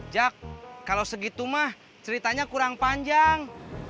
jak kalau segitu mah ceritanya kurang panjang